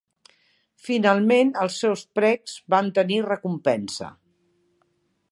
Finalment els seus precs van tenir recompensa.